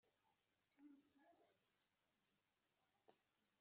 ubuhemu bwawe burahanaguwe, icyaha cyawe kirakijijwe.»